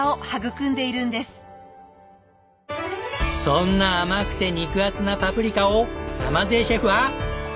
そんな甘くて肉厚なパプリカを鯰江シェフは。